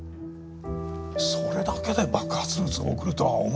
それだけで爆発物を送るとは思えませんがね。